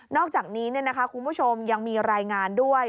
อกจากนี้คุณผู้ชมยังมีรายงานด้วย